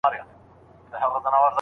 پاڼه د ډاکټر لخوا د لوړ ږغ سره ړنګیږي.